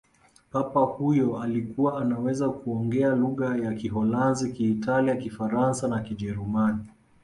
papa huyo alikuwa anaweza kuongea lugha ya kiholanzi kiitalia kifaransa na kijerumani